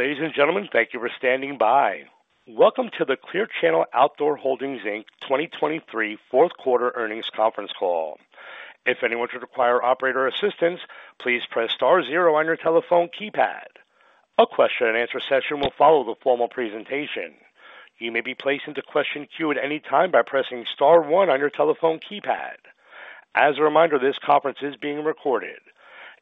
Ladies and gentlemen, thank you for standing by. Welcome to the Clear Channel Outdoor Holdings, Inc. 2023 fourth quarter earnings conference call. If anyone should require operator assistance, please press star zero on your telephone keypad. A question-and-answer session will follow the formal presentation. You may be placed into question queue at any time by pressing star one on your telephone keypad. As a reminder, this conference is being recorded.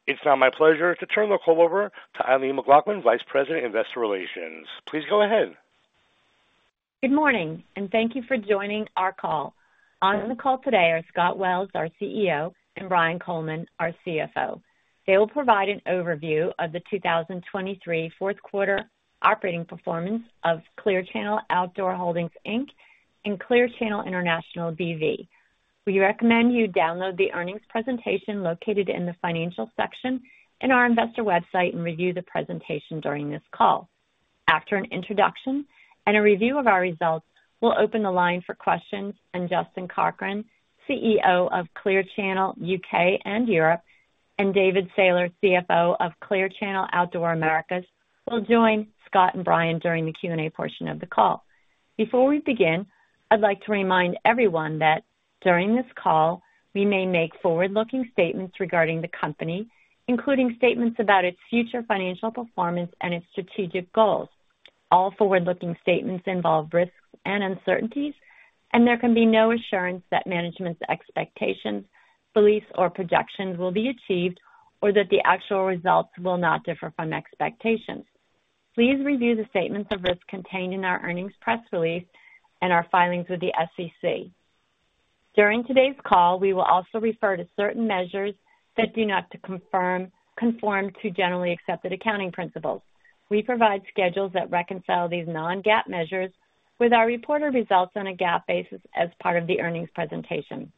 It's now my pleasure to turn the call over to Eileen McLaughlin, Vice President Investor Relations. Please go ahead. Good morning, and thank you for joining our call. On the call today are Scott Wells, our CEO, and Brian Coleman, our CFO. They will provide an overview of the 2023 fourth quarter operating performance of Clear Channel Outdoor Holdings, Inc., and Clear Channel International B.V. We recommend you download the earnings presentation located in the financial section in our investor website and review the presentation during this call. After an introduction and a review of our results, we'll open the line for questions, and Justin Cochrane, CEO of Clear Channel UK and Europe, and David Sailer, CFO of Clear Channel Outdoor Americas, will join Scott and Brian during the Q&A portion of the call. Before we begin, I'd like to remind everyone that during this call, we may make forward-looking statements regarding the company, including statements about its future financial performance and its strategic goals. All forward-looking statements involve risks and uncertainties, and there can be no assurance that management's expectations, beliefs, or projections will be achieved, or that the actual results will not differ from expectations. Please review the statements of risk contained in our earnings press release and our filings with the SEC. During today's call, we will also refer to certain measures that do not conform to generally accepted accounting principles. We provide schedules that reconcile these non-GAAP measures with our reported results on a GAAP basis as part of the earnings presentation.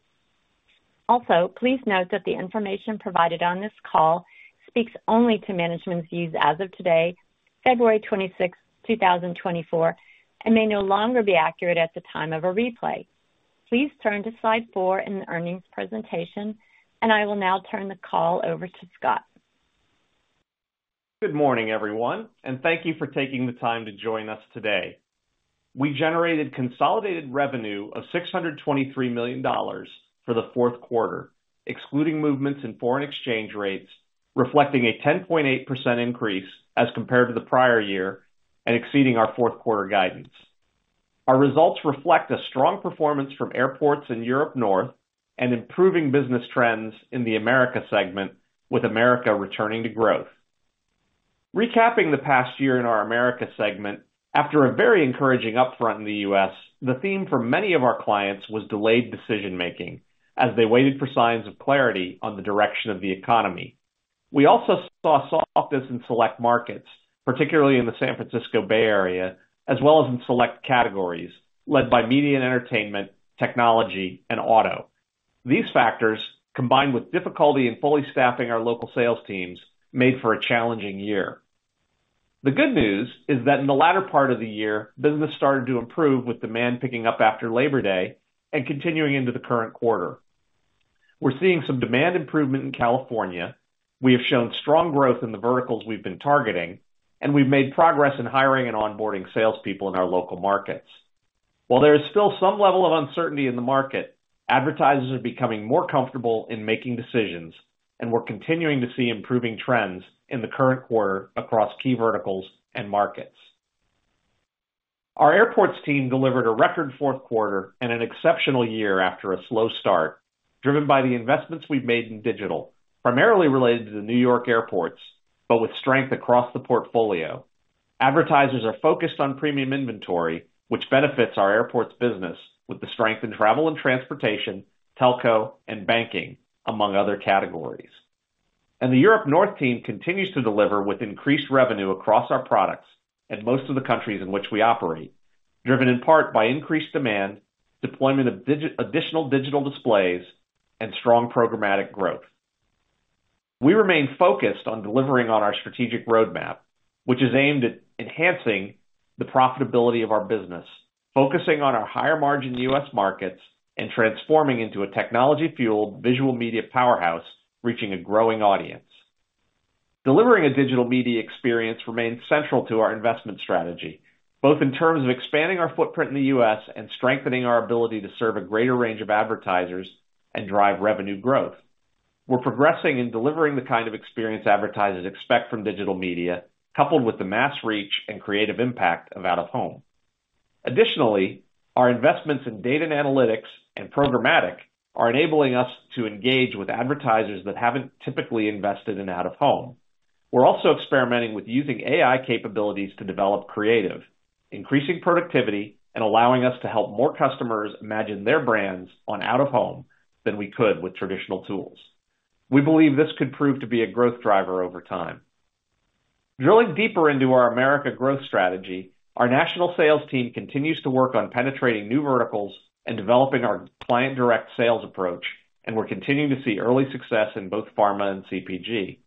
Also, please note that the information provided on this call speaks only to management's views as of today, February 26, 2024, and may no longer be accurate at the time of a replay. Please turn to slide 4 in the earnings presentation, and I will now turn the call over to Scott. Good morning, everyone, and thank you for taking the time to join us today. We generated consolidated revenue of $623 million for the fourth quarter, excluding movements in foreign exchange rates, reflecting a 10.8% increase as compared to the prior year and exceeding our fourth quarter guidance. Our results reflect a strong performance from airports in Europe North and improving business trends in the America segment, with America returning to growth. Recapping the past year in our America segment, after a very encouraging upfront in the US, the theme for many of our clients was delayed decision-making as they waited for signs of clarity on the direction of the economy. We also saw softness in select markets, particularly in the San Francisco Bay Area, as well as in select categories, led by media and entertainment, technology, and auto. These factors, combined with difficulty in fully staffing our local sales teams, made for a challenging year. The good news is that in the latter part of the year, business started to improve with demand picking up after Labor Day and continuing into the current quarter. We're seeing some demand improvement in California. We have shown strong growth in the verticals we've been targeting, and we've made progress in hiring and onboarding salespeople in our local markets. While there is still some level of uncertainty in the market, advertisers are becoming more comfortable in making decisions, and we're continuing to see improving trends in the current quarter across key verticals and markets. Our airports team delivered a record fourth quarter and an exceptional year after a slow start, driven by the investments we've made in digital, primarily related to New York airports, but with strength across the portfolio. Advertisers are focused on premium inventory, which benefits our airports business with the strength in travel and transportation, telco, and banking, among other categories. The Europe North team continues to deliver with increased revenue across our products and most of the countries in which we operate, driven in part by increased demand, deployment of additional digital displays, and strong programmatic growth. We remain focused on delivering on our strategic roadmap, which is aimed at enhancing the profitability of our business, focusing on our higher-margin US markets, and transforming into a technology-fueled visual media powerhouse reaching a growing audience. Delivering a digital media experience remains central to our investment strategy, both in terms of expanding our footprint in the US and strengthening our ability to serve a greater range of advertisers and drive revenue growth. We're progressing in delivering the kind of experience advertisers expect from digital media, coupled with the mass reach and creative impact of out-of-home. Additionally, our investments in data and analytics and programmatic are enabling us to engage with advertisers that haven't typically invested in out-of-home. We're also experimenting with using AI capabilities to develop creative, increasing productivity, and allowing us to help more customers imagine their brands on out-of-home than we could with traditional tools. We believe this could prove to be a growth driver over time. Drilling deeper into our America growth strategy, our national sales team continues to work on penetrating new verticals and developing our client-direct sales approach, and we're continuing to see early success in both pharma and CPG.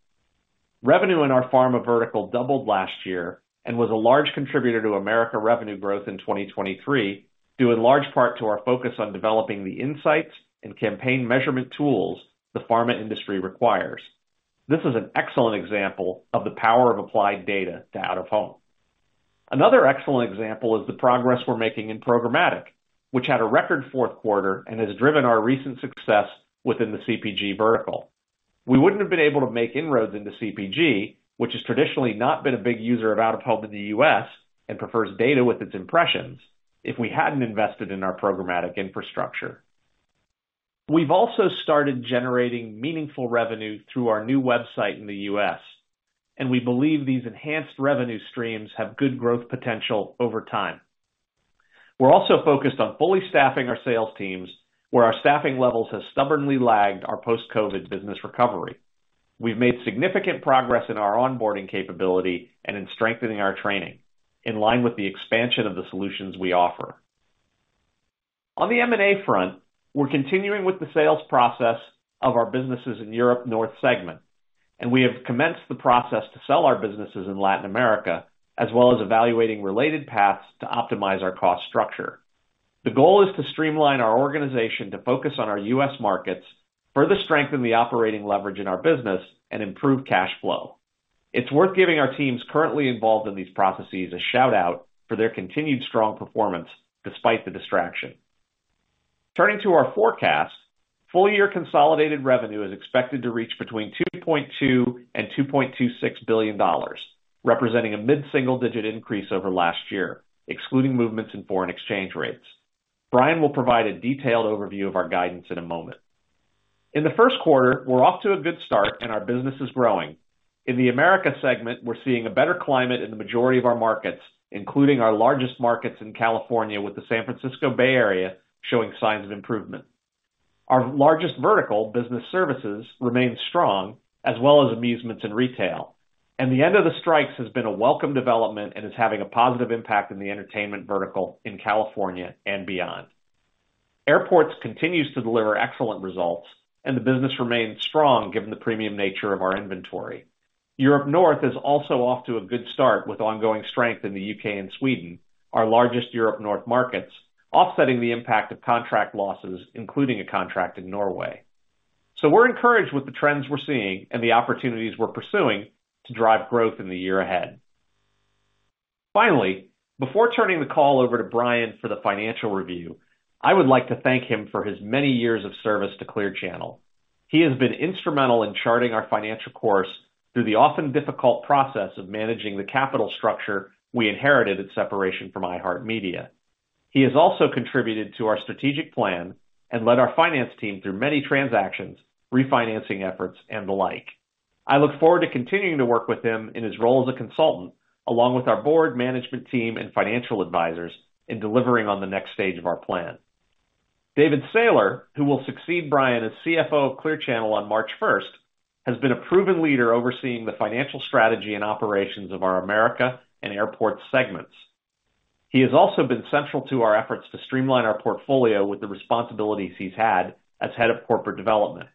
Revenue in our pharma vertical doubled last year and was a large contributor to Americas revenue growth in 2023, due in large part to our focus on developing the insights and campaign measurement tools the pharma industry requires. This is an excellent example of the power of applied data to out-of-home. Another excellent example is the progress we're making in programmatic, which had a record fourth quarter and has driven our recent success within the CPG vertical. We wouldn't have been able to make inroads into CPG, which has traditionally not been a big user of out-of-home in the US and prefers data with its impressions, if we hadn't invested in our programmatic infrastructure. We've also started generating meaningful revenue through our new website in the US, and we believe these enhanced revenue streams have good growth potential over time. We're also focused on fully staffing our sales teams, where our staffing levels have stubbornly lagged our post-COVID business recovery. We've made significant progress in our onboarding capability and in strengthening our training, in line with the expansion of the solutions we offer. On the M&A front, we're continuing with the sales process of our businesses in Europe North segment, and we have commenced the process to sell our businesses in Latin America, as well as evaluating related paths to optimize our cost structure. The goal is to streamline our organization to focus on our US markets, further strengthen the operating leverage in our business, and improve cash flow. It's worth giving our teams currently involved in these processes a shout-out for their continued strong performance despite the distraction. Turning to our forecast, full-year consolidated revenue is expected to reach between $2.2 billion and $2.26 billion, representing a mid-single-digit increase over last year, excluding movements in foreign exchange rates. Brian will provide a detailed overview of our guidance in a moment. In the first quarter, we're off to a good start, and our business is growing. In the Americas segment, we're seeing a better climate in the majority of our markets, including our largest markets in California with the San Francisco Bay Area showing signs of improvement. Our largest vertical, business services, remains strong, as well as amusements and retail, and the end of the strikes has been a welcome development and is having a positive impact in the entertainment vertical in California and beyond. Airports continues to deliver excellent results, and the business remains strong given the premium nature of our inventory. Europe North is also off to a good start with ongoing strength in the UK and Sweden, our largest Europe North markets, offsetting the impact of contract losses, including a contract in Norway. So we're encouraged with the trends we're seeing and the opportunities we're pursuing to drive growth in the year ahead. Finally, before turning the call over to Brian for the financial review, I would like to thank him for his many years of service to Clear Channel. He has been instrumental in charting our financial course through the often difficult process of managing the capital structure we inherited at separation from iHeartMedia. He has also contributed to our strategic plan and led our finance team through many transactions, refinancing efforts, and the like. I look forward to continuing to work with him in his role as a consultant, along with our board, management team, and financial advisors in delivering on the next stage of our plan. David Sailer, who will succeed Brian as CFO of Clear Channel on March 1st, has been a proven leader overseeing the financial strategy and operations of our America and airports segments. He has also been central to our efforts to streamline our portfolio with the responsibilities he's had as head of corporate development.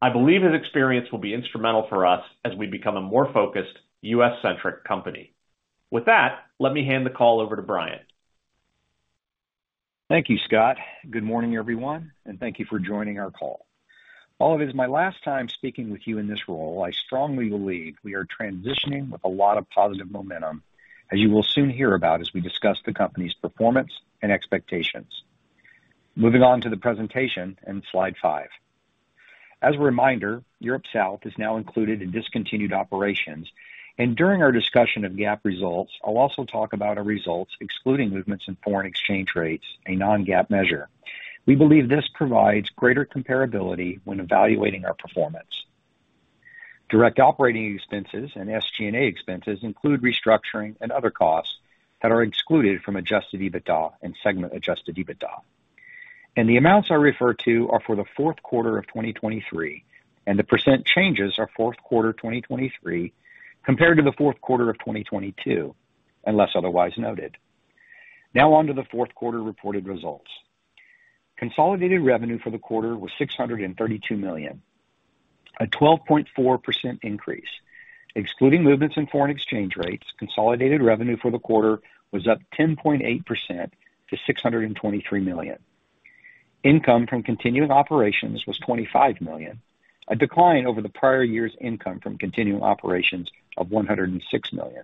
I believe his experience will be instrumental for us as we become a more focused, US-centric company. With that, let me hand the call over to Brian. Thank you, Scott. Good morning, everyone, and thank you for joining our call. While it is my last time speaking with you in this role, I strongly believe we are transitioning with a lot of positive momentum, as you will soon hear about as we discuss the company's performance and expectations. Moving on to the presentation and slide 5. As a reminder, Europe South is now included in discontinued operations, and during our discussion of GAAP results, I'll also talk about our results excluding movements in foreign exchange rates, a non-GAAP measure. We believe this provides greater comparability when evaluating our performance. Direct operating expenses and SG&A expenses include restructuring and other costs that are excluded from Adjusted EBITDA and segment-adjusted EBITDA. The amounts I refer to are for the fourth quarter of 2023, and the percent changes are fourth quarter 2023 compared to the fourth quarter of 2022, unless otherwise noted. Now on to the fourth quarter reported results. Consolidated revenue for the quarter was $632 million, a 12.4% increase. Excluding movements in foreign exchange rates, consolidated revenue for the quarter was up 10.8% to $623 million. Income from continuing operations was $25 million, a decline over the prior year's income from continuing operations of $106 million.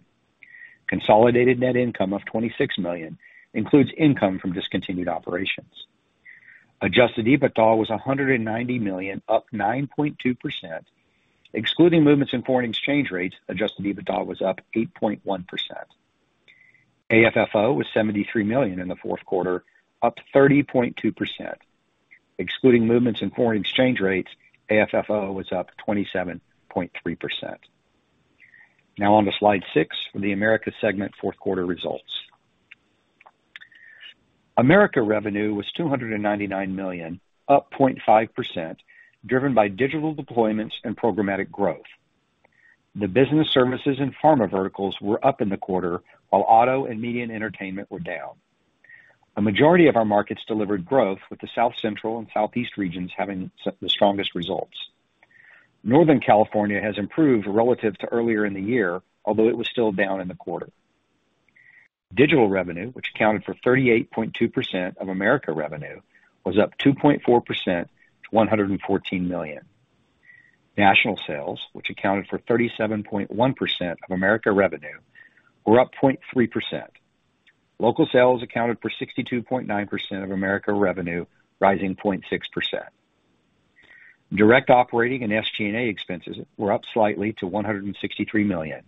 Consolidated net income of $26 million includes income from discontinued operations. Adjusted EBITDA was $190 million, up 9.2%. Excluding movements in foreign exchange rates, adjusted EBITDA was up 8.1%. AFFO was $73 million in the fourth quarter, up 30.2%. Excluding movements in foreign exchange rates, AFFO was up 27.3%. Now on to slide six for the America segment fourth quarter results. America revenue was $299 million, up 0.5%, driven by digital deployments and programmatic growth. The business services and pharma verticals were up in the quarter, while auto and media and entertainment were down. A majority of our markets delivered growth, with the South Central and Southeast regions having the strongest results. Northern California has improved relative to earlier in the year, although it was still down in the quarter. Digital revenue, which accounted for 38.2% of America revenue, was up 2.4% to $114 million. National sales, which accounted for 37.1% of America revenue, were up 0.3%. Local sales accounted for 62.9% of America revenue, rising 0.6%. Direct operating and SG&A expenses were up slightly to $163 million.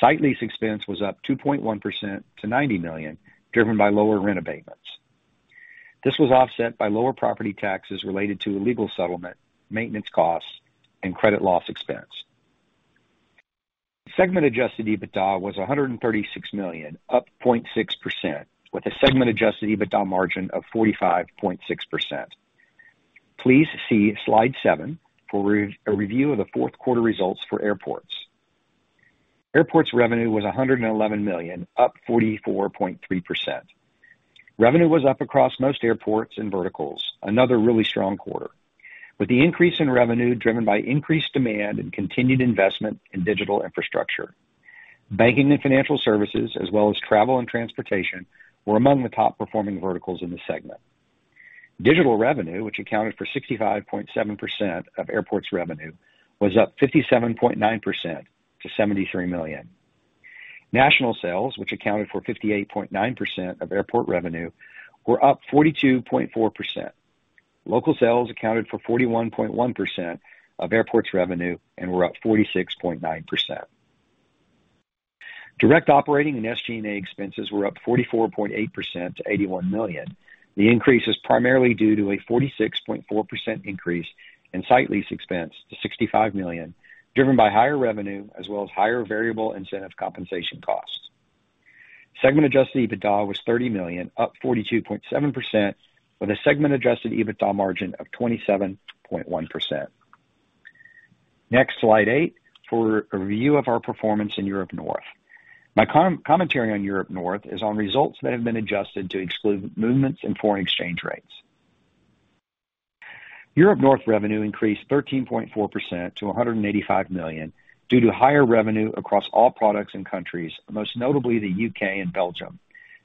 Site lease expense was up 2.1% to $90 million, driven by lower rent abatements. This was offset by lower property taxes related to illegal settlement, maintenance costs, and credit loss expense. Segment-adjusted EBITDA was $136 million, up 0.6%, with a segment-adjusted EBITDA margin of 45.6%. Please see slide seven for a review of the fourth quarter results for airports. Airports revenue was $111 million, up 44.3%. Revenue was up across most airports and verticals, another really strong quarter, with the increase in revenue driven by increased demand and continued investment in digital infrastructure. Banking and financial services, as well as travel and transportation, were among the top performing verticals in the segment. Digital revenue, which accounted for 65.7% of airports revenue, was up 57.9% to $73 million. National sales, which accounted for 58.9% of airports revenue, were up 42.4%. Local sales accounted for 41.1% of airports revenue and were up 46.9%. Direct operating and SG&A expenses were up 44.8% to $81 million. The increase is primarily due to a 46.4% increase in site lease expense to $65 million, driven by higher revenue as well as higher variable incentive compensation costs. Segment-adjusted EBITDA was $30 million, up 42.7%, with a segment-adjusted EBITDA margin of 27.1%. Next, slide 8 for a review of our performance in Europe North. My commentary on Europe North is on results that have been adjusted to exclude movements in foreign exchange rates. Europe North revenue increased 13.4% to $185 million due to higher revenue across all products and countries, most notably the UK and Belgium,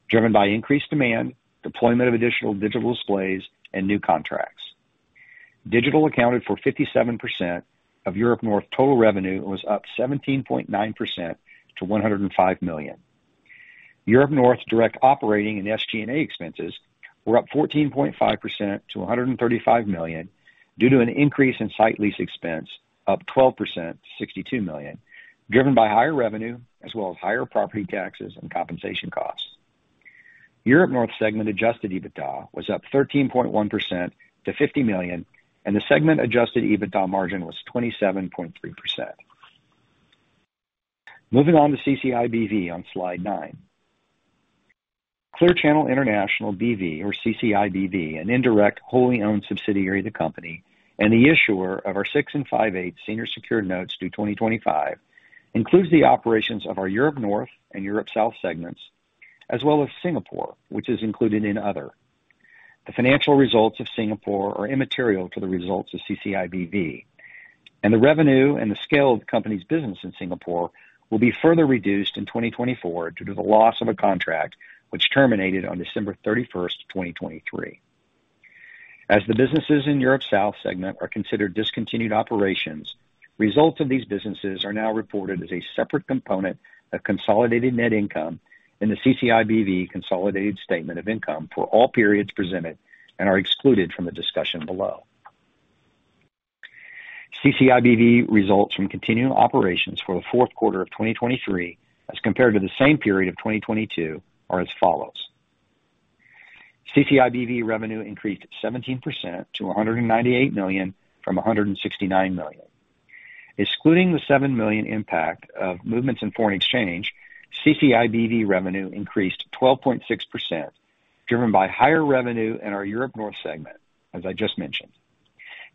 driven by increased demand, deployment of additional digital displays, and new contracts. Digital accounted for 57% of Europe North total revenue and was up 17.9% to $105 million. Europe North direct operating and SG&A expenses were up 14.5% to $135 million due to an increase in site lease expense, up 12% to $62 million, driven by higher revenue as well as higher property taxes and compensation costs. Europe North segment-adjusted EBITDA was up 13.1% to $50 million, and the segment-adjusted EBITDA margin was 27.3%. Moving on to CCIBV on slide 9. Clear Channel International B.V., or CCIBV, an indirect wholly owned subsidiary of the company and the issuer of our 6 and 5/8 senior secured notes due 2025, includes the operations of our Europe North and Europe South segments, as well as Singapore, which is included in other. The financial results of Singapore are immaterial to the results of CCIBV, and the revenue and the scale of the company's business in Singapore will be further reduced in 2024 due to the loss of a contract which terminated on December 31st, 2023. As the businesses in Europe South segment are considered discontinued operations, results of these businesses are now reported as a separate component of consolidated net income in the CCIBV consolidated statement of income for all periods presented and are excluded from the discussion below. CCIBV results from continuing operations for the fourth quarter of 2023 as compared to the same period of 2022 are as follows. CCIBV revenue increased 17% to $198 million from $169 million. Excluding the $7 million impact of movements in foreign exchange, CCIBV revenue increased 12.6%, driven by higher revenue in our Europe North segment, as I just mentioned.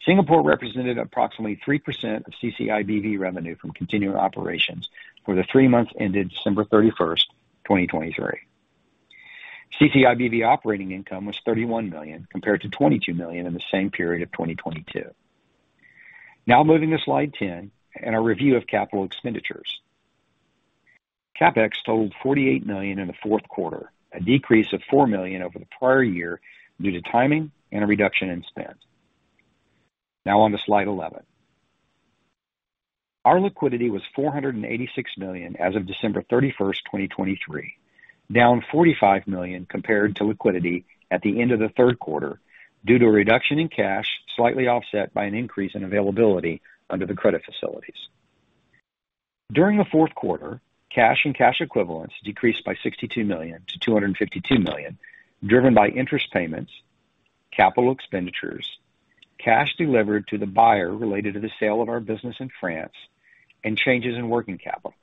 Singapore represented approximately 3% of CCIBV revenue from continuing operations for the three months ended December 31st, 2023. CCIBV operating income was $31 million compared to $22 million in the same period of 2022. Now moving to slide 10 and our review of capital expenditures. CapEx totaled $48 million in the fourth quarter, a decrease of $4 million over the prior year due to timing and a reduction in spend. Now on to slide 11. Our liquidity was $486 million as of December 31st, 2023, down $45 million compared to liquidity at the end of the third quarter due to a reduction in cash slightly offset by an increase in availability under the credit facilities. During the fourth quarter, cash and cash equivalents decreased by $62 million to $252 million, driven by interest payments, capital expenditures, cash delivered to the buyer related to the sale of our business in France, and changes in working capital.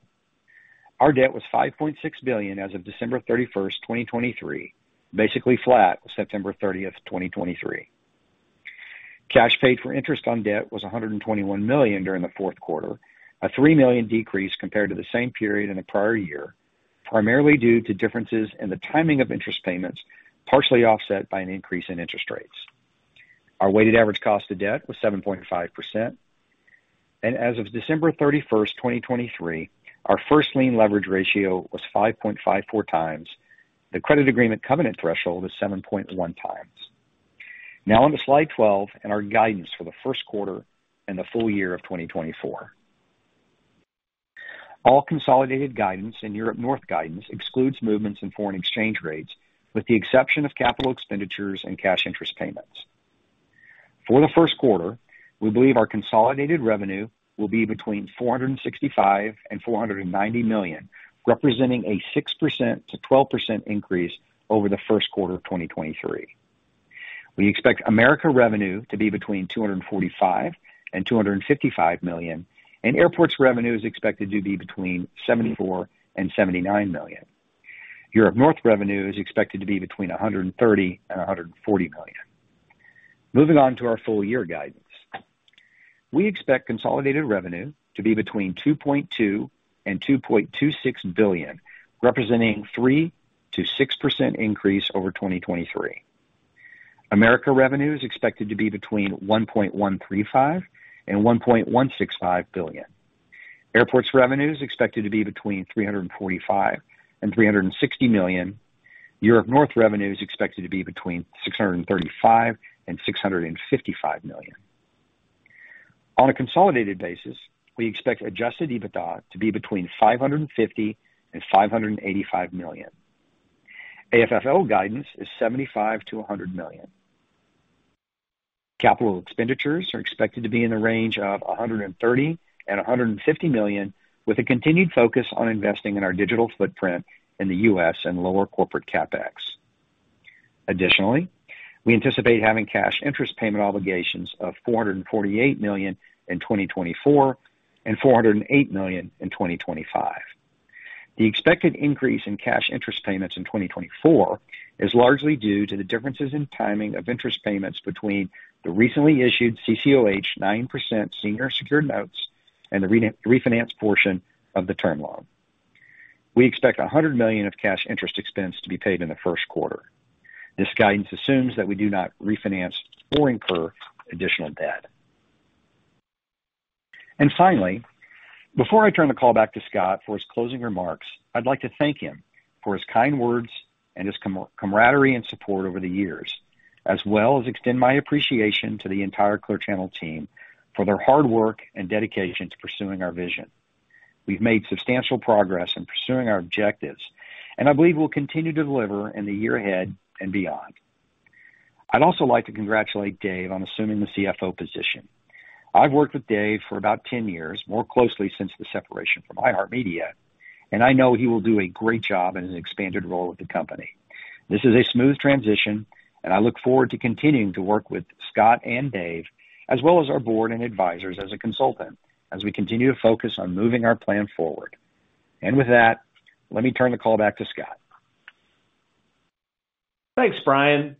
Our debt was $5.6 billion as of December 31st, 2023, basically flat with September 30th, 2023. Cash paid for interest on debt was $121 million during the fourth quarter, a $3 million decrease compared to the same period in the prior year, primarily due to differences in the timing of interest payments partially offset by an increase in interest rates. Our weighted average cost of debt was 7.5%, and as of December 31st, 2023, our first lien leverage ratio was 5.54x. The credit agreement covenant threshold is 7.1x. Now on to slide 12 and our guidance for the first quarter and the full year of 2024. All consolidated guidance and Europe North guidance excludes movements in foreign exchange rates, with the exception of capital expenditures and cash interest payments. For the first quarter, we believe our consolidated revenue will be between $465million-$490 million, representing a 6%-12% increase over the first quarter of 2023. We expect America revenue to be between $245million-$255 million, and airports revenue is expected to be between $74million-$79 million. Europe North revenue is expected to be between $130million-$140 million. Moving on to our full year guidance. We expect consolidated revenue to be between $2.2billion-$2.26 billion, representing a 3%-6% increase over 2023. America revenue is expected to be between $1.135billion-$1.165 billion. Airports revenue is expected to be between $345-$360 million. Europe North revenue is expected to be between $635million-$655 million. On a consolidated basis, we expect Adjusted EBITDA to be between $550million-$585 million. AFFO guidance is $75million-$100 million. Capital expenditures are expected to be in the range of $130million-$150 million, with a continued focus on investing in our digital footprint in the US and lower corporate CapEx. Additionally, we anticipate having cash interest payment obligations of $448 million in 2024 and $408 million in 2025. The expected increase in cash interest payments in 2024 is largely due to the differences in timing of interest payments between the recently issued CCOH 9% senior secured notes and the refinance portion of the term loan. We expect $100 million of cash interest expense to be paid in the first quarter. This guidance assumes that we do not refinance or incur additional debt. Finally, before I turn the call back to Scott for his closing remarks, I'd like to thank him for his kind words and his camaraderie and support over the years, as well as extend my appreciation to the entire Clear Channel team for their hard work and dedication to pursuing our vision. We've made substantial progress in pursuing our objectives, and I believe we'll continue to deliver in the year ahead and beyond. I'd also like to congratulate Dave on assuming the CFO position. I've worked with Dave for about 10 years, more closely since the separation from iHeartMedia, and I know he will do a great job in his expanded role at the company. This is a smooth transition, and I look forward to continuing to work with Scott and Dave, as well as our board and advisors as a consultant, as we continue to focus on moving our plan forward. With that, let me turn the call back to Scott. Thanks, Brian.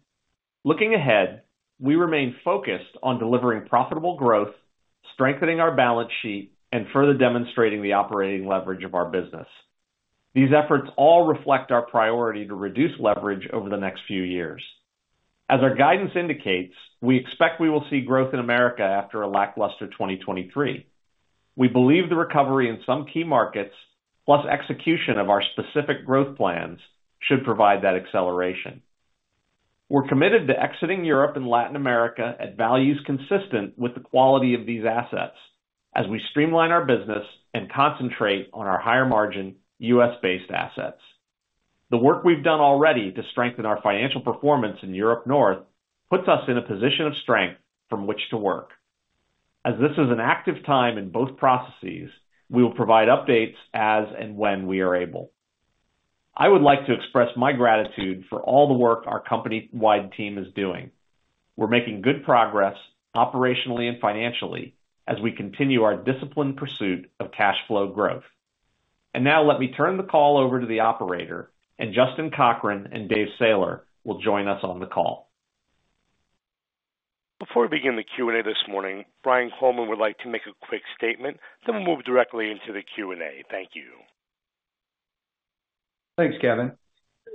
Looking ahead, we remain focused on delivering profitable growth, strengthening our balance sheet, and further demonstrating the operating leverage of our business. These efforts all reflect our priority to reduce leverage over the next few years. As our guidance indicates, we expect we will see growth in America after a lackluster 2023. We believe the recovery in some key markets, plus execution of our specific growth plans, should provide that acceleration. We're committed to exiting Europe and Latin America at values consistent with the quality of these assets as we streamline our business and concentrate on our higher margin US-based assets. The work we've done already to strengthen our financial performance in Europe North puts us in a position of strength from which to work. As this is an active time in both processes, we will provide updates as and when we are able. I would like to express my gratitude for all the work our company-wide team is doing. We're making good progress operationally and financially as we continue our disciplined pursuit of cash flow growth. Now let me turn the call over to the operator, and Justin Cochrane and David Sailer will join us on the call. Before we begin the Q&A this morning, Brian Coleman would like to make a quick statement, then we'll move directly into the Q&A. Thank you. Thanks, Kevin.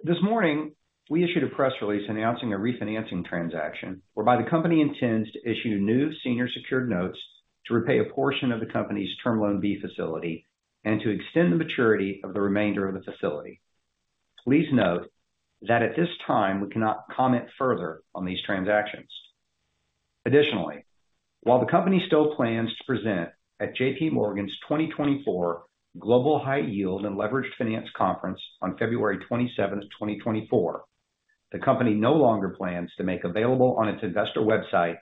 This morning, we issued a press release announcing a refinancing transaction whereby the company intends to issue new senior secured notes to repay a portion of the company's Term Loan B facility and to extend the maturity of the remainder of the facility. Please note that at this time, we cannot comment further on these transactions. Additionally, while the company still plans to present at JPMorgan's 2024 Global High Yield and Leveraged Finance Conference on February 27th, 2024, the company no longer plans to make available on its investor website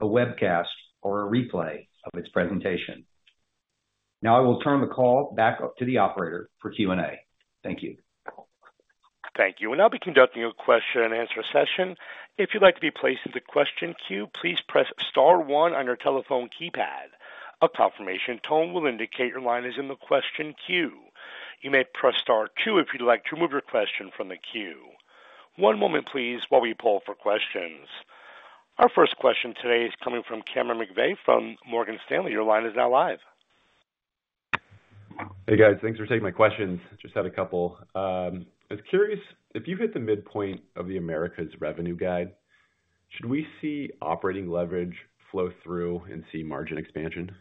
a webcast or a replay of its presentation. Now I will turn the call back to the operator for Q&A. Thank you. Thank you. We'll now be conducting a question-and-answer session. If you'd like to be placed in the question queue, please press star one on your telephone keypad. A confirmation tone will indicate your line is in the question queue. You may press star two if you'd like to remove your question from the queue. One moment, please, while we pull for questions. Our first question today is coming from Cameron McVeigh from Morgan Stanley. Your line is now live. Hey, guys. Thanks for taking my questions. Just had a couple. I was curious, if you hit the midpoint of the America's revenue guide, should we see operating leverage flow through and see margin expansion?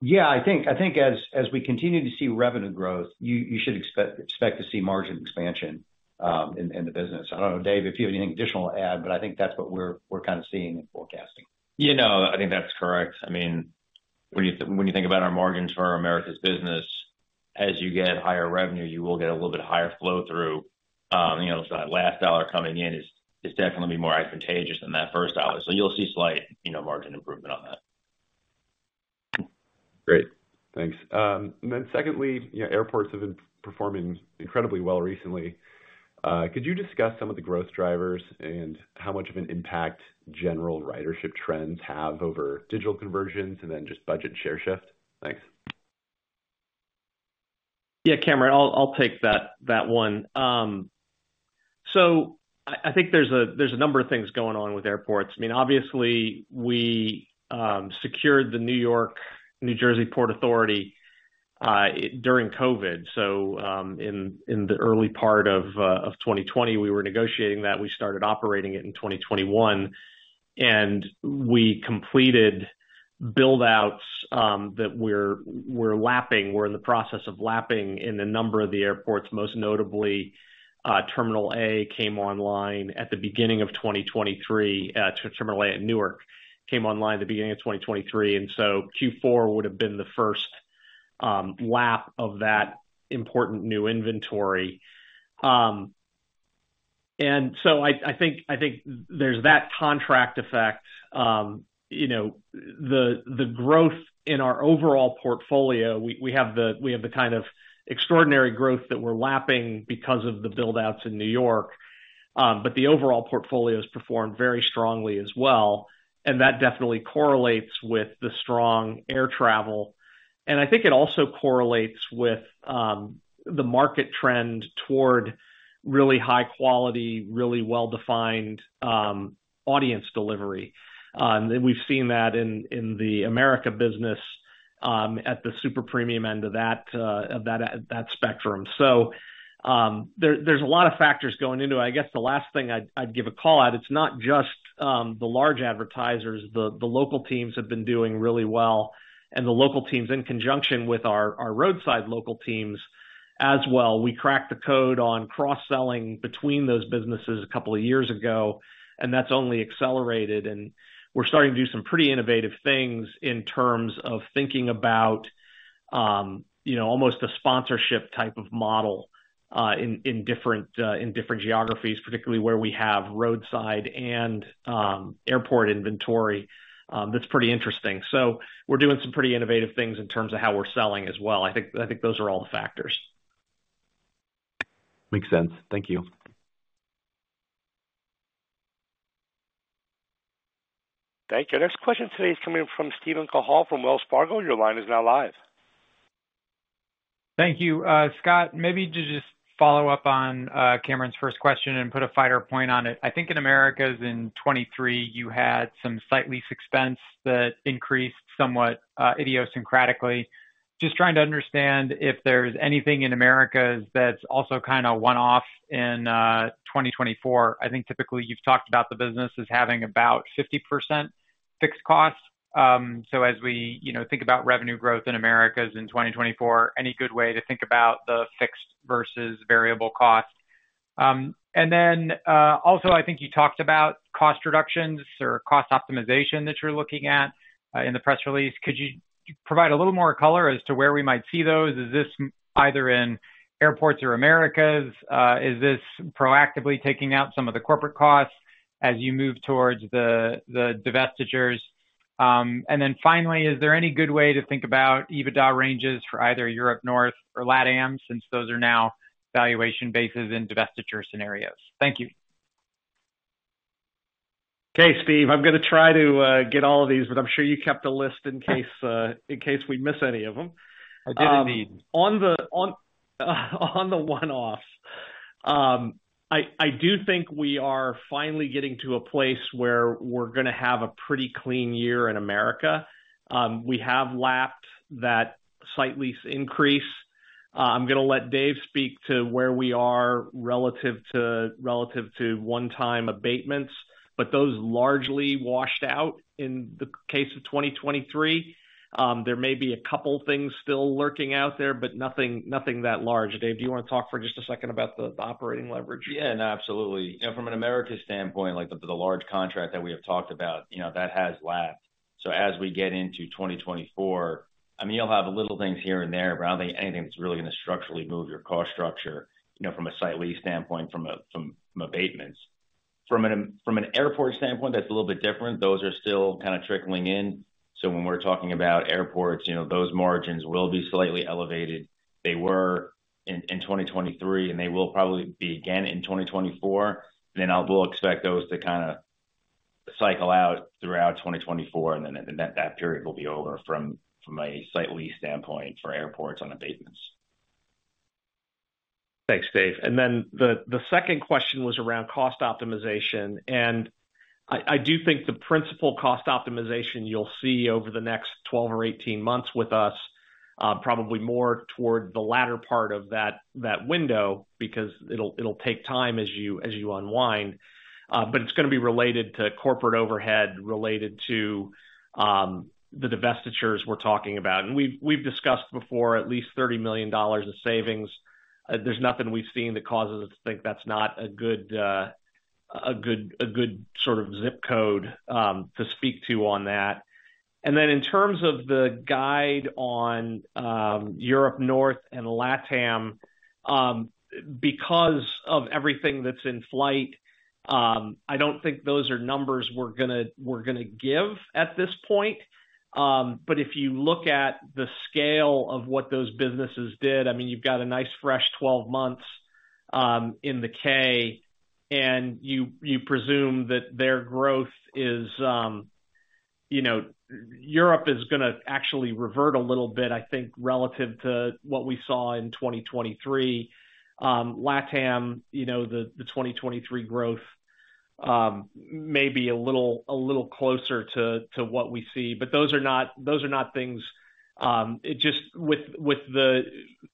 Yeah, I think as we continue to see revenue growth, you should expect to see margin expansion in the business. I don't know, Dave, if you have anything additional to add, but I think that's what we're kind of seeing and forecasting. I think that's correct. I mean, when you think about our margins for America's business, as you get higher revenue, you will get a little bit higher flow-through. The last dollar coming in is definitely going to be more advantageous than that first dollar. So you'll see slight margin improvement on that. Great. Thanks. And then secondly, airports have been performing incredibly well recently. Could you discuss some of the growth drivers and how much of an impact general ridership trends have over digital conversions and then just budget share shift? Thanks. Yeah, Cameron, I'll take that one. So I think there's a number of things going on with airports. I mean, obviously, we secured the New York New Jersey Port Authority during COVID. So in the early part of 2020, we were negotiating that. We started operating it in 2021. And we completed buildouts that we're lapping. We're in the process of lapping in the number of the airports. Most notably, Terminal A came online at the beginning of 2023. Terminal A at Newark came online at the beginning of 2023. And so Q4 would have been the first lap of that important new inventory. And so I think there's that contract effect. The growth in our overall portfolio, we have the kind of extraordinary growth that we're lapping because of the buildouts in New York. But the overall portfolio has performed very strongly as well. And that definitely correlates with the strong air travel. And I think it also correlates with the market trend toward really high-quality, really well-defined audience delivery. And we've seen that in the America business at the super premium end of that spectrum. So there's a lot of factors going into it. I guess the last thing I'd give a call at, it's not just the large advertisers. The local teams have been doing really well. The local teams in conjunction with our roadside local teams as well. We cracked the code on cross-selling between those businesses a couple of years ago, and that's only accelerated. We're starting to do some pretty innovative things in terms of thinking about almost a sponsorship type of model in different geographies, particularly where we have roadside and airport inventory. That's pretty interesting. So we're doing some pretty innovative things in terms of howwe're selling as well. I think those are all the factors. Makes sense. Thank you. Thank you. Our next question today is coming from Steven Cahall from Wells Fargo. Your line is now live. Thank you. Scott, maybe to just follow up on Cameron's first question and put a finer point on it. I think in Americas in 2023, you had some site lease expense that increased somewhat idiosyncratically. Just trying to understand if there's anything in Americas that's also kind of one-off in 2024. I think typically, you've talked about the business as having about 50% fixed cost. So as we think about revenue growth in Americas in 2024, any good way to think about the fixed versus variable cost? And then also, I think you talked about cost reductions or cost optimization that you're looking at in the press release. Could you provide a little more color as to where we might see those? Is this either in airports or Americas? Is this proactively taking out some of the corporate costs as you move towards the divestitures? And then finally, is there any good way to think about EBITDA ranges for either Europe North or LATAM since those are now valuation bases in divestiture scenarios? Thank you. Okay, Steve, I'm going to try to get all of these, but I'm sure you kept a list in case we miss any of them. I did indeed. On the one-offs, I do think we are finally getting to a place where we're going to have a pretty clean year in America. We have lapped that site lease increase. I'm going to let Dave speak to where we are relative to one-time abatements, but those largely washed out in the case of 2023. There may be a couple of things still lurking out there, but nothing that large. Dave, do you want to talk for just a second about the operating leverage? Yeah, no, absolutely. From an Americas standpoint, the large contract that we have talked about, that has lapped. So as we get into 2024, I mean, you'll have little things here and there, but I don't think anything that's really going to structurally move your cost structure from a site lease standpoint, from abatements. From an airport standpoint, that's a little bit different. Those are still kind of trickling in. So when we're talking about airports, those margins will be slightly elevated. They were in 2023, and they will probably be again in 2024. And then we'll expect those to kind of cycle out throughout 2024, and then that period will be over from a site lease standpoint for airports on abatements. Thanks, Dave. And then the second question was around cost optimization. I do think the principal cost optimization you'll see over the next 12 or 18 months with us, probably more toward the latter part of that window because it'll take time as you unwind. But it's going to be related to corporate overhead, related to the divestitures we're talking about. And we've discussed before, at least $30 million of savings. There's nothing we've seen that causes us to think that's not a good sort of zip code to speak to on that. And then in terms of the guide on Europe North and LATAM, because of everything that's in flight, I don't think those are numbers we're going to give at this point. But if you look at the scale of what those businesses did, I mean, you've got a nice fresh 12 months in the K, and you presume that their growth in Europe is going to actually revert a little bit, I think, relative to what we saw in 2023. LATAM, the 2023 growth may be a little closer to what we see. But those are not things just with the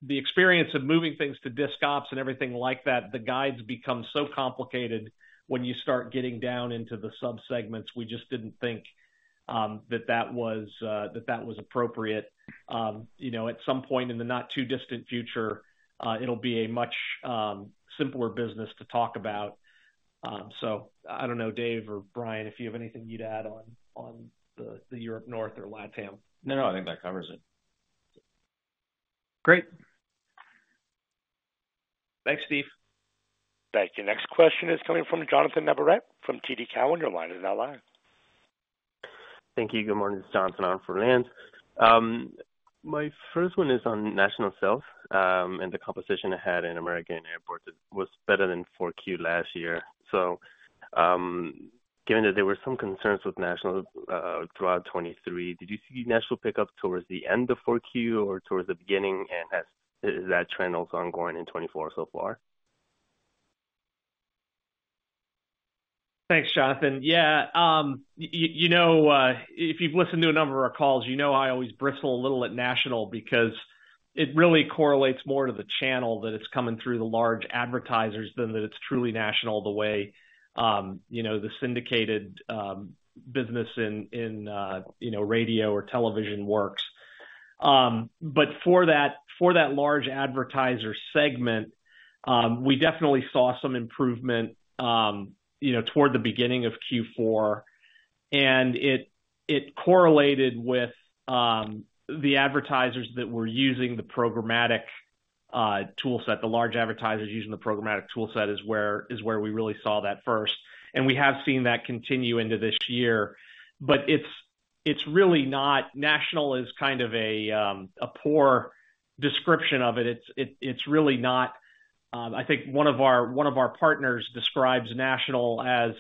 experience of moving things to disc ops and everything like that, the guides become so complicated when you start getting down into the subsegments. We just didn't think that that was appropriate. At some point in the not too distant future, it'll be a much simpler business to talk about. So I don't know, Dave or Brian, if you have anything you'd add on the Europe North or LATAM. No, no, I think that covers it. Great. Thanks, Steve. Thank you. Next question is coming from Jonathan Navarrete from TD Cowen. Your line is now live. Thank you. Good morning, this is Jonathan on for Lance. My first one is on national sales and the composition I had in Americas airports was better than 4Q last year. So given that there were some concerns with national throughout 2023, did you see national pickup towards the end of 4Q or towards the beginning? And is that trend also ongoing in 2024 so far? Thanks, Jonathan. Yeah. If you've listened to a number of our calls, you know I always bristle a little at national because it really correlates more to the channel that it's coming through the large advertisers than that it's truly national the way the syndicated business in radio or television works. But for that large advertiser segment, we definitely saw some improvement toward the beginning of Q4. And it correlated with the advertisers that were using the programmatic toolset. The large advertisers using the programmatic toolset is where we really saw that first. And we have seen that continue into this year. But it's really not national is kind of a poor description of it. It's really not. I think one of our partners describes national as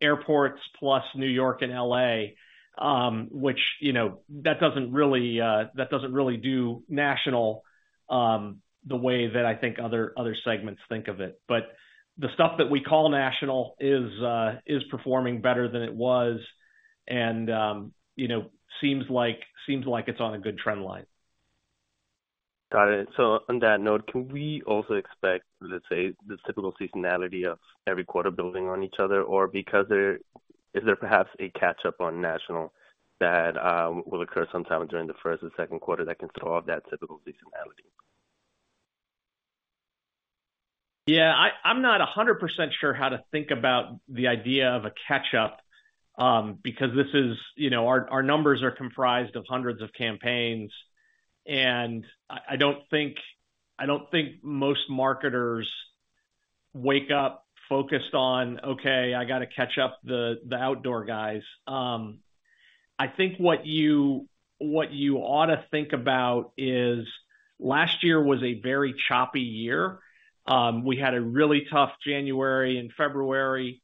airports plus New York and LA, which that doesn't really do national the way that I think other segments think of it. But the stuff that we call national is performing better than it was and seems like it's on a good trend line. Got it. So on that note, can we also expect, let's say, the typical seasonality of every quarter building on each other? Or is there perhaps a catch-up on national that will occur sometime during the first and second quarter that can throw off that typical seasonality? Yeah, I'm not 100% sure how to think about the idea of a catch-up because our numbers are comprised of hundreds of campaigns. I don't think most marketers wake up focused on, "Okay, I got to catch up the outdoor guys." I think what you ought to think about is last year was a very choppy year. We had a really tough January and February.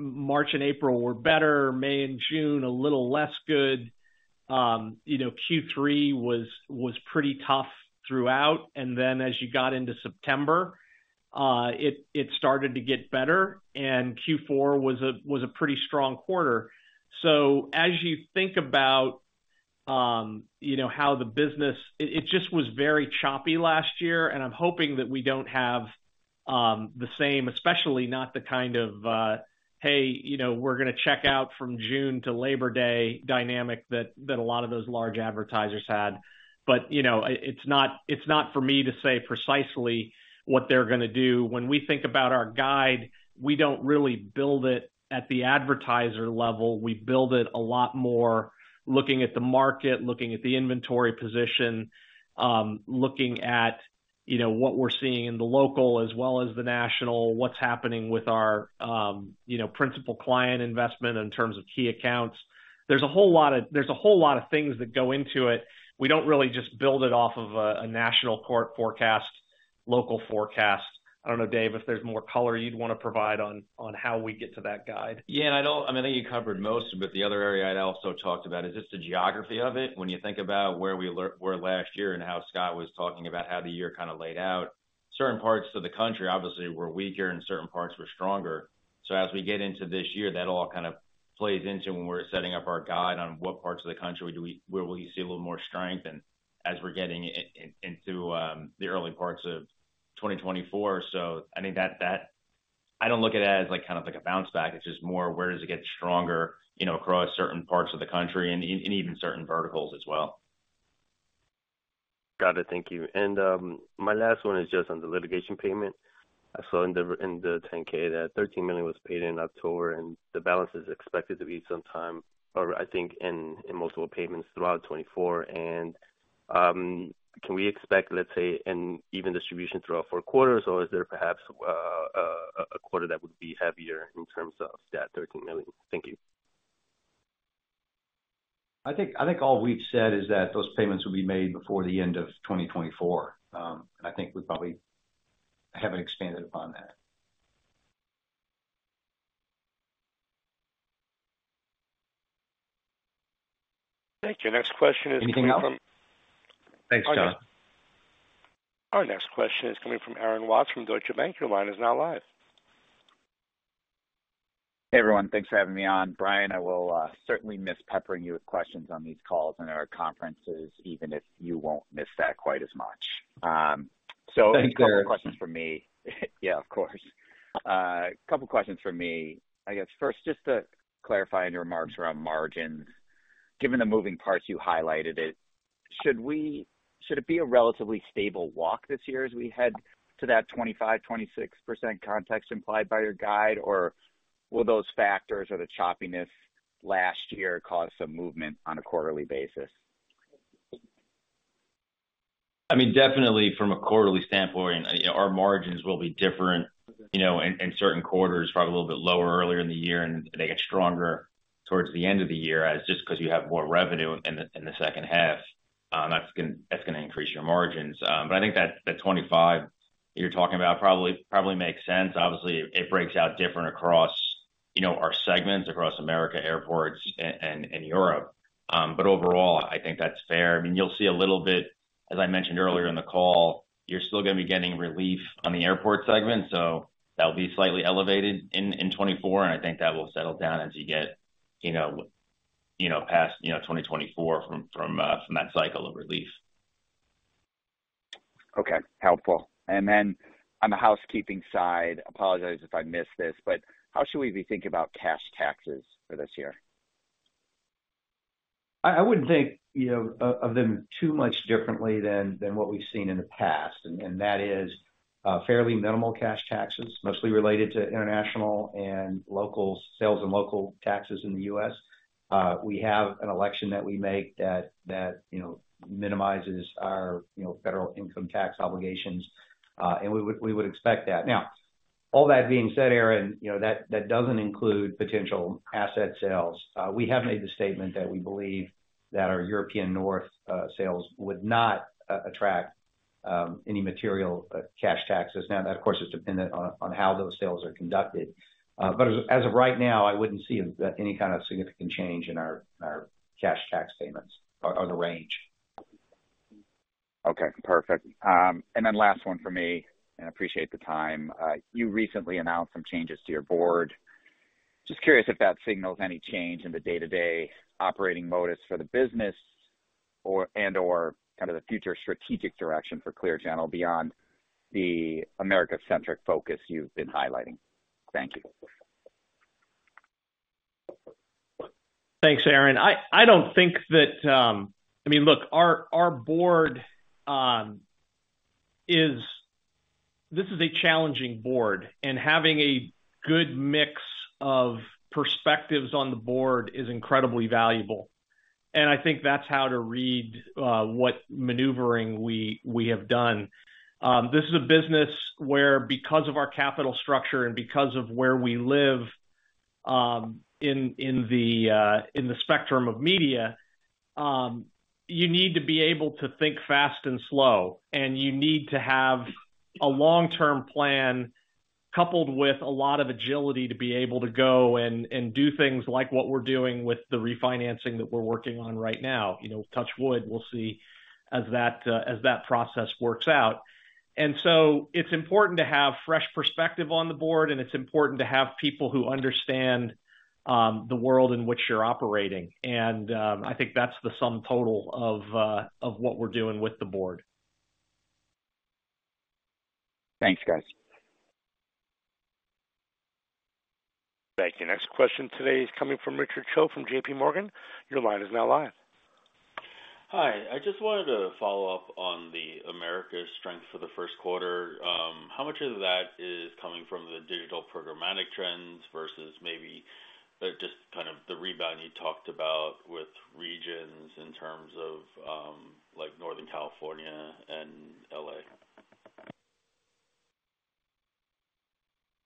March and April were better. May and June, a little less good. Q3 was pretty tough throughout. Then as you got into September, it started to get better. And Q4 was a pretty strong quarter. As you think about how the business is. It just was very choppy last year. And I'm hoping that we don't have the same, especially not the kind of, "Hey, we're going to check out from June to Labor Day." dynamic that a lot of those large advertisers had. But it's not for me to say precisely what they're going to do. When we think about our guide, we don't really build it at the advertiser level. We build it a lot more looking at the market, looking at the inventory position, looking at what we're seeing in the local as well as the national, what's happening with our principal client investment in terms of key accounts. There's a whole lot of things that go into it. We don't really just build it off of a national court forecast, local forecast. I don't know, Dave, if there's more color you'd want to provide on how we get to that guide. Yeah, I mean, I think you covered most of it. The other area I'd also talked about is just the geography of it. When you think about where we were last year and how Scott was talking about how the year kind of laid out, certain parts of the country, obviously, were weaker and certain parts were stronger. So as we get into this year, that all kind of plays into when we're setting up our guide on what parts of the country where we see a little more strength and as we're getting into the early parts of 2024. So I think that I don't look at it as kind of like a bounce back. It's just more where does it get stronger across certain parts of the country and even certain verticals as well. Got it. Thank you. My last one is just on the litigation payment. I saw in the 10-K that $13 million was paid in October, and the balance is expected to be sometime, or I think, in multiple payments throughout 2024. Can we expect, let's say, an even distribution throughout four quarters, or is there perhaps a quarter that would be heavier in terms of that $13 million? Thank you. I think all we've said is that those payments will be made before the end of 2024. I think we probably haven't expanded upon that. Thank you. Next question is coming from. Anything else? Thanks, John. Our next question is coming from Aaron Watts from Deutsche Bank. Your line is now live. Hey, everyone. Thanks for having me on. Brian, I will certainly miss peppering you with questions on these calls and our conferences, even if you won't miss that quite as much. So a couple of questions from me. Yeah, of course. A couple of questions from me. I guess first, just to clarify your remarks around margins, given the moving parts you highlighted, should it be a relatively stable walk this year as we head to that 25%-26% context implied by your guide, or will those factors or the choppiness last year cause some movement on a quarterly basis? I mean, definitely from a quarterly standpoint, our margins will be different in certain quarters, probably a little bit lower earlier in the year, and they get stronger towards the end of the year just because you have more revenue in the second half. That's going to increase your margins. But I think that 25 you're talking about probably makes sense. Obviously, it breaks out different across our segments, across America airports and Europe. But overall, I think that's fair. I mean, you'll see a little bit, as I mentioned earlier in the call, you're still going to be getting relief on the airport segment. So that'll be slightly elevated in 2024, and I think that will settle down as you get past 2024 from that cycle of relief. Okay, helpful. And then on the housekeeping side, apologize if I missed this, but how should we be thinking about cash taxes for this year? I wouldn't think of them too much differently than what we've seen in the past. And that is fairly minimal cash taxes, mostly related to international and local sales and local taxes in the US We have an election that we make that minimizes our federal income tax obligations. And we would expect that. Now, all that being said, Aaron, that doesn't include potential asset sales. We have made the statement that we believe that our European North sales would not attract any material cash taxes. Now, that, of course, is dependent on how those sales are conducted. But as of right now, I wouldn't see any kind of significant change in our cash tax payments or the range. Okay, perfect. And then last one for me, and I appreciate the time. You recently announced some changes to your board. Just curious if that signals any change in the day-to-day operating modus for the business and/or kind of the future strategic direction for Clear Channel beyond the America-centric focus you've been highlighting. Thank you. Thanks, Aaron. I don't think. I mean, look, our board. This is a challenging board, and having a good mix of perspectives on the board is incredibly valuable. I think that's how to read what maneuvering we have done. This is a business where, because of our capital structure and because of where we live in the spectrum of media, you need to be able to think fast and slow. You need to have a long-term plan coupled with a lot of agility to be able to go and do things like what we're doing with the refinancing that we're working on right now. Touch wood, we'll see as that process works out. It's important to have fresh perspective on the board, and it's important to have people who understand the world in which you're operating. I think that's the sum total of what we're doing with the board. Thanks, guys. Thank you. Next question today is coming from Richard Choe from JPMorgan. Your line is now live. Hi. I just wanted to follow up on the America's strength for the first quarter. How much of that is coming from the digital programmatic trends versus maybe just kind of the rebound you talked about with regions in terms of Northern California and LA?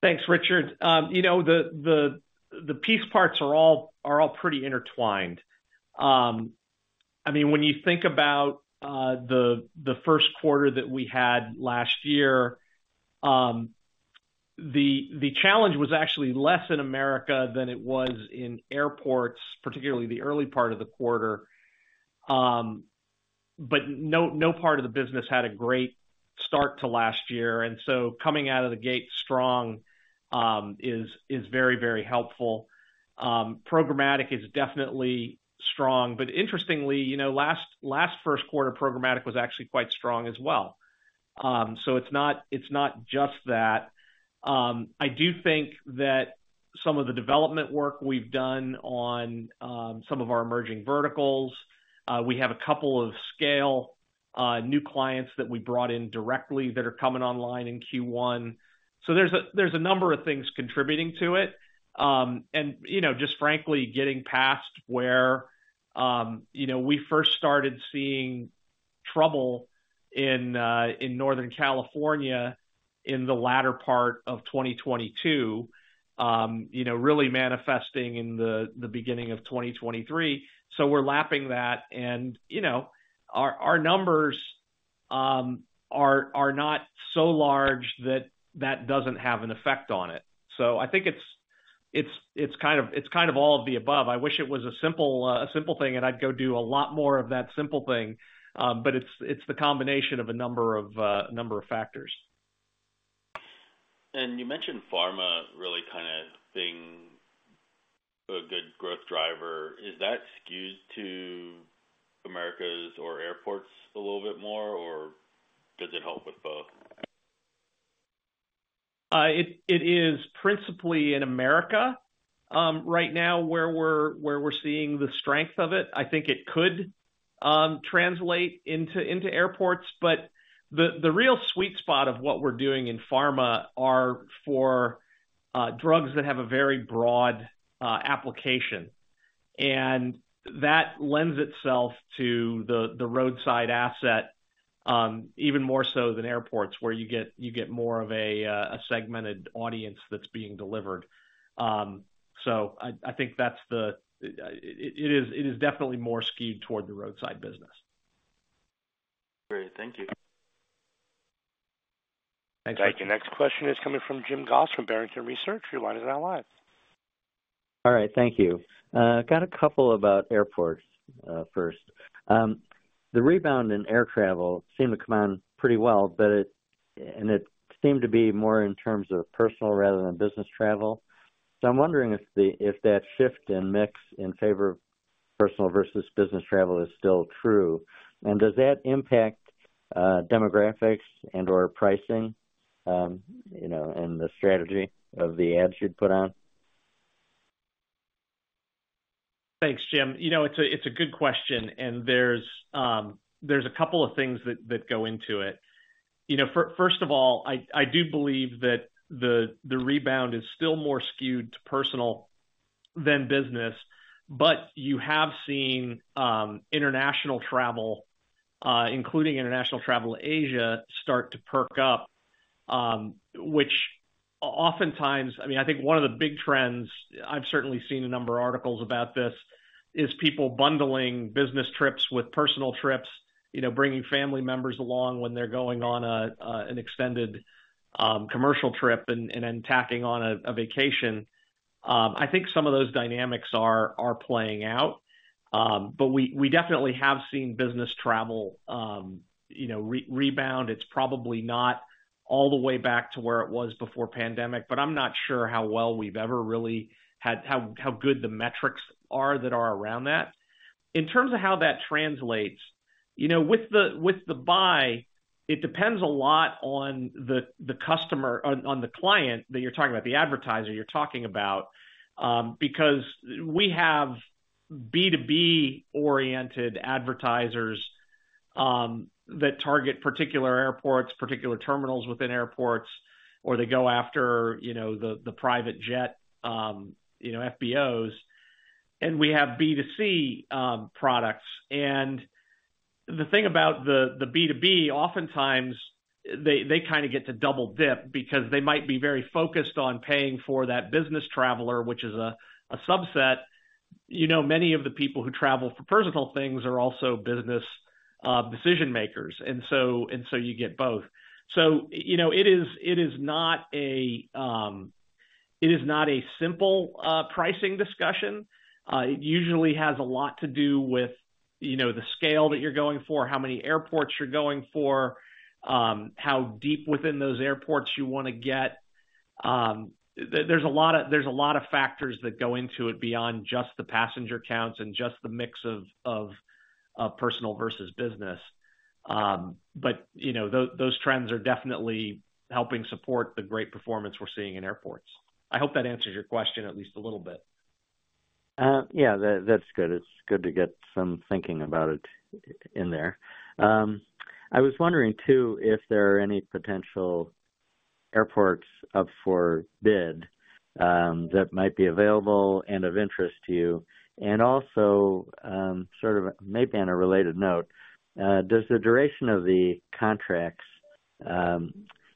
Thanks, Richard. The piece parts are all pretty intertwined. I mean, when you think about the first quarter that we had last year, the challenge was actually less in America than it was in airports, particularly the early part of the quarter. But no part of the business had a great start to last year. And so coming out of the gate strong is very, very helpful. Programmatic is definitely strong. But interestingly, last first quarter Programmatic was actually quite strong as well. So it's not just that. I do think that some of the development work we've done on some of our emerging verticals. We have a couple of scale new clients that we brought in directly that are coming online in Q1. So there's a number of things contributing to it. And just frankly, getting past where we first started seeing trouble in Northern California in the latter part of 2022, really manifesting in the beginning of 2023. So we're lapping that. And our numbers are not so large that that doesn't have an effect on it. So I think it's kind of all of the above. I wish it was a simple thing, and I'd go do a lot more of that simple thing. But it's the combination of a number of factors. And you mentioned pharma really kind of being a good growth driver. Is that skewed to Americas or airports a little bit more, or does it help with both? It is principally in Americas right now where we're seeing the strength of it. I think it could translate into airports. But the real sweet spot of what we're doing in pharma are for drugs that have a very broad application. And that lends itself to the roadside asset even more so than airports where you get more of a segmented audience that's being delivered. So I think that's the it is definitely more skewed toward the roadside business. Great. Thank you. Thanks, guys. Thank you. Next question is coming from Jim Goss from Barrington Research.Your line is now live. All right. Thank you. Got a couple about airports first. The rebound in air travel seemed to come on pretty well, and it seemed to be more in terms of personal rather than business travel. So I'm wondering if that shift in mix in favor of personal versus business travel is still true. And does that impact demographics and/or pricing and the strategy of the ads you'd put on? Thanks, Jim. It's a good question. And there's a couple of things that go into it. First of all, I do believe that the rebound is still more skewed to personal than business. But you have seen international travel, including international travel to Asia, start to perk up, which oftentimes I mean, I think one of the big trends I've certainly seen a number of articles about this is people bundling business trips with personal trips, bringing family members along when they're going on an extended commercial trip and then tacking on a vacation. I think some of those dynamics are playing out. But we definitely have seen business travel rebound. It's probably not all the way back to where it was before pandemic, but I'm not sure how well we've ever really had how good the metrics are that are around that. In terms of how that translates, with the buy, it depends a lot on the customer on the client that you're talking about, the advertiser you're talking about, because we have B2B-oriented advertisers that target particular airports, particular terminals within airports, or they go after the private jet FBOs. We have B2C products. The thing about the B2B, oftentimes, they kind of get to double dip because they might be very focused on paying for that business traveler, which is a subset. Many of the people who travel for personal things are also business decision-makers. So you get both. It is not a simple pricing discussion. It usually has a lot to do with the scale that you're going for, how many airports you're going for, how deep within those airports you want to get. There's a lot of factors that go into it beyond just the passenger counts and just the mix of personal versus business. But those trends are definitely helping support the great performance we're seeing in airports. I hope that answers your question at least a little bit. Yeah, that's good. It's good to get some thinking about it in there. I was wondering, too, if there are any potential airports up for bid that might be available and of interest to you? And also sort of maybe on a related note, does the duration of the contracts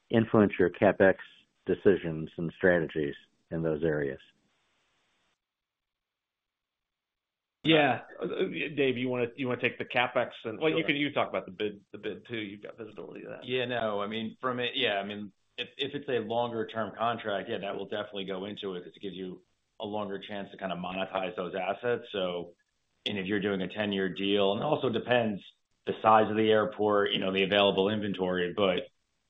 influence your CapEx decisions and strategies in those areas? Yeah. Dave, you want to take the CapEx and well, you can talk about the bid, too. You've got visibility to that. Yeah, no. I mean, from a yeah, I mean, if it's a longer-term contract, yeah, that will definitely go into it because it gives you a longer chance to kind of monetize those assets. And if you're doing a 10-year deal and it also depends the size of the airport, the available inventory. But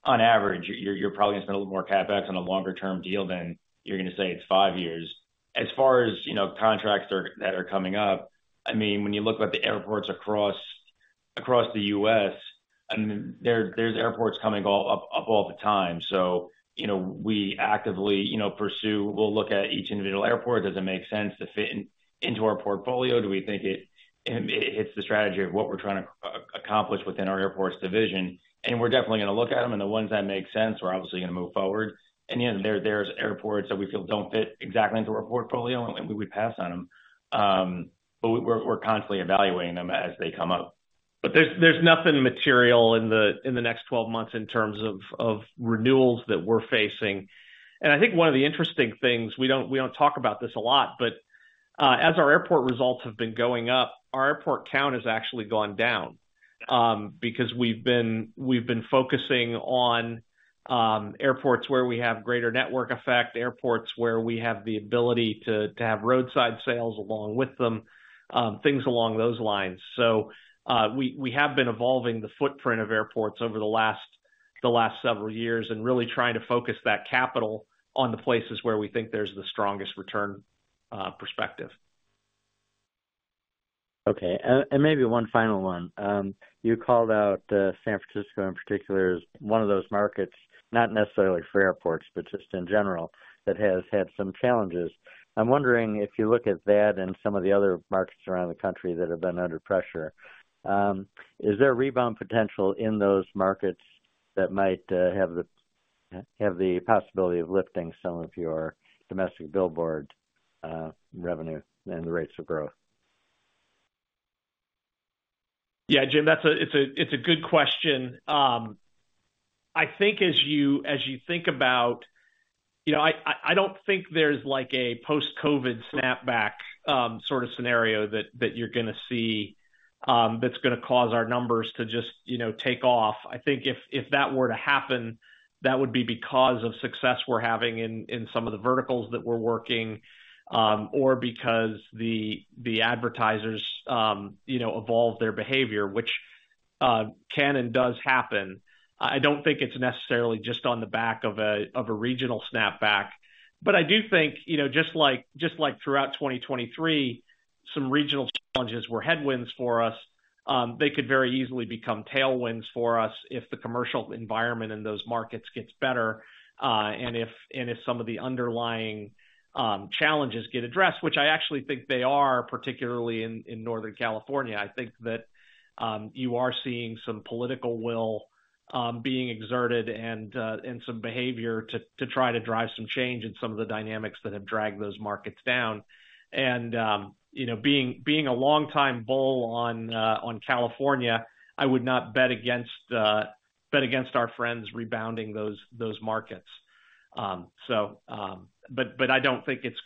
on average, you're probably going to spend a little more CapEx on a longer-term deal than you're going to say it's five years. As far as contracts that are coming up, I mean, when you look at the airports across the US, I mean, there's airports coming up all the time. So we actively pursue we'll look at each individual airport. Does it make sense to fit into our portfolio? Do we think it hits the strategy of what we're trying to accomplish within our airports division? And we're definitely going to look at them. The ones that make sense, we're obviously going to move forward. There's airports that we feel don't fit exactly into our portfolio, and we would pass on them. We're constantly evaluating them as they come up. There's nothing material in the next 12 months in terms of renewals that we're facing. I think one of the interesting things we don't talk about this a lot, but as our airport results have been going up, our airport count has actually gone down because we've been focusing on airports where we have greater network effect, airports where we have the ability to have roadside sales along with them, things along those lines. We have been evolving the footprint of airports over the last several years and really trying to focus that capital on the places where we think there's the strongest return perspective. Okay. Maybe one final one. You called out San Francisco in particular as one of those markets, not necessarily for airports, but just in general, that has had some challenges. I'm wondering if you look at that and some of the other markets around the country that have been under pressure, is there rebound potential in those markets that might have the possibility of lifting some of your domestic billboard revenue and the rates of growth? Yeah, Jim, it's a good question. I think as you think about, I don't think there's a post-COVID snapback sort of scenario that you're going to see that's going to cause our numbers to just take off. I think if that were to happen, that would be because of success we're having in some of the verticals that we're working or because the advertisers evolve their behavior, which can and does happen. I don't think it's necessarily just on the back of a regional snapback. But I do think just like throughout 2023, some regional challenges were headwinds for us. They could very easily become tailwinds for us if the commercial environment in those markets gets better and if some of the underlying challenges get addressed, which I actually think they are, particularly in Northern California. I think that you are seeing some political will being exerted and some behavior to try to drive some change in some of the dynamics that have dragged those markets down. Being a long-time bull on California, I would not bet against our friends rebounding those markets. But I don't think it's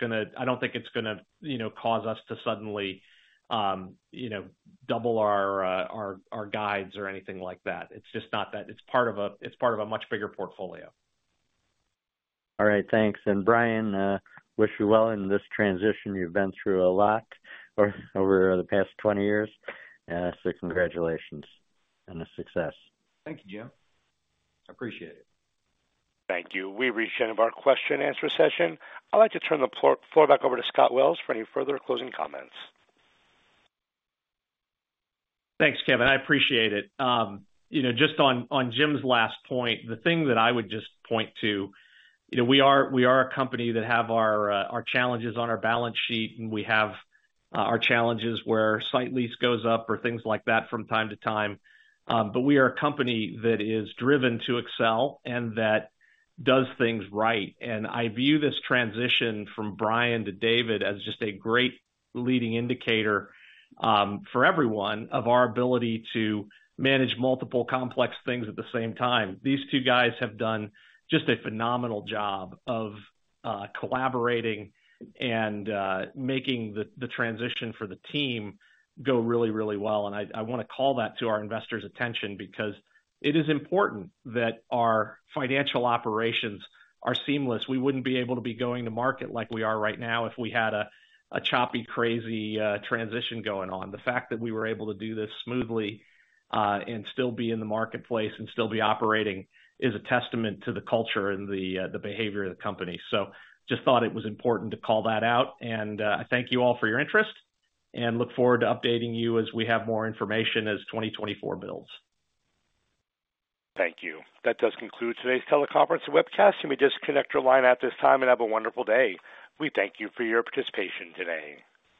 going to cause us to suddenly double our guides or anything like that. It's just not that it's part of a much bigger portfolio. All right. Thanks. And Brian, wish you well in this transition. You've been through a lot over the past 20 years. So congratulations and a success. Thank you, Jim. I appreciate it. Thank you. We reached the end of our question-and-answer session. I'd like to turn the floor back over to Scott Wells for any further closing comments. Thanks, Kevin. I appreciate it. Just on Jim's last point, the thing that I would just point to, we are a company that have our challenges on our balance sheet, and we have our challenges where site lease goes up or things like that from time to time. But we are a company that is driven to excel and that does things right. I view this transition from Brian to David as just a great leading indicator for everyone of our ability to manage multiple complex things at the same time. These two guys have done just a phenomenal job of collaborating and making the transition for the team go really, really well. I want to call that to our investors' attention because it is important that our financial operations are seamless. We wouldn't be able to be going to market like we are right now if we had a choppy, crazy transition going on. The fact that we were able to do this smoothly and still be in the marketplace and still be operating is a testament to the culture and the behavior of the company. I just thought it was important to call that out. I thank you all for your interest and look forward to updating you as we have more information as 2024 builds. Thank you. That does conclude today's teleconference webcast. You may disconnect your line at this time and have a wonderful day. We thank you for your participation today.